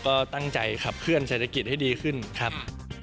ก็ตั้งใจขับเคลื่อนเศรษฐกิจให้ดีขึ้นครับ